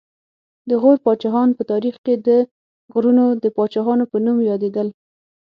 د غور پاچاهان په تاریخ کې د غرونو د پاچاهانو په نوم یادېدل